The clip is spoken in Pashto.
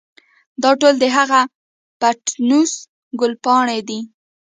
دا ټول د هغه پټنوس ګلپيانې دي.